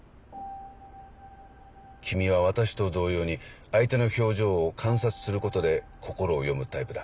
君は私と同様に相手の表情を観察することで心を読むタイプだ